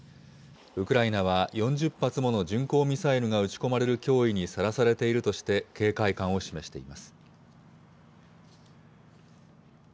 ウクライナは４０発もの巡航ミサイルが撃ち込まれる脅威にさらされているとして警戒感を示しています。